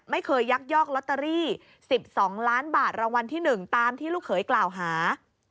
ยักยอกลอตเตอรี่๑๒ล้านบาทรางวัลที่๑ตามที่ลูกเขยกล่าวหา